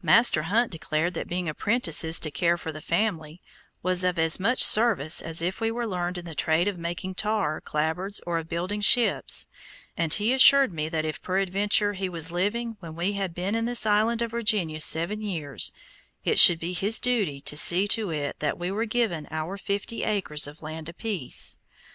Master Hunt declared that being apprentices to care for the family, was of as much service as if we were learned in the trade of making tar, clapboards, or of building ships, and he assured me that if peradventure he was living when we had been in this land of Virginia seven years, it should be his duty to see to it that we were given our fifty acres of land apiece.